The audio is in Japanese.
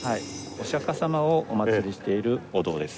お釈迦様をお祭りしているお堂です。